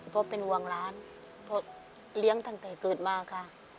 เพราะเป็นห่วงหลานเพราะเลี้ยงตั้งแต่เกิดมาค่ะ